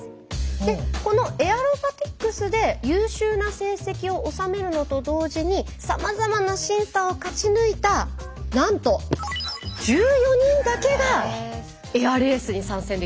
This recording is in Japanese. でこのエアロバティックスで優秀な成績を収めるのと同時にさまざまな審査を勝ち抜いたなんと１４人だけがエアレースに参戦できるんですよ。